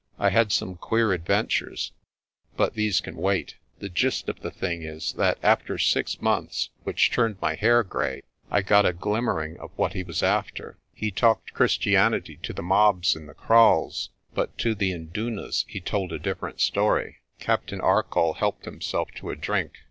I had some queer ad ventures, but these can wait. The gist of the thing is, that after six months which turned my hair grey I got a glim J_^ f^\ (o \{^' 100 PRESTER JOHN mering of what he was after. He talked Christianity to the mobs in the kraals, but to the indunas * he told a dif ferent story." Captain Arcoll helped himself to a drink.